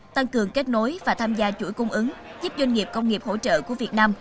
tăng cường kết nối và tham gia chuỗi cung ứng giúp doanh nghiệp công nghiệp hỗ trợ của việt nam